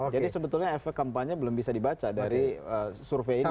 jadi sebetulnya efek kampanye belum bisa dibaca dari survei ini